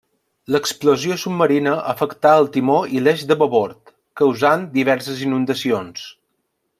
L'explosió submarina afectà el timó i l'eix de babord, causant diverses inundacions.